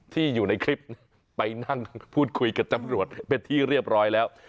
อยู่ในคลิปไปนั่งพูดคุยกับตำรวจเป็นที่เรียบร้อยแล้ว